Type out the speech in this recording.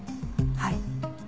はい。